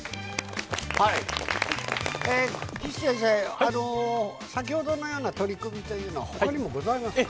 岸先生、先ほどのような取り組みというのは、ほかにもございますか？